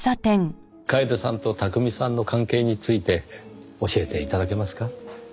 楓さんと巧さんの関係について教えて頂けますか？